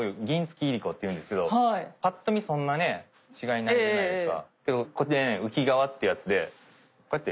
っていうんですけどぱっと見そんな違いないじゃないですか。